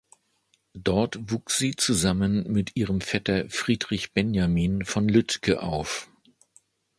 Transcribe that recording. Dort wuchs sie zusammen mit ihrem Vetter Friedrich Benjamin von Lütke auf.